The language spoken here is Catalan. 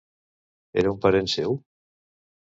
Era un parent seu?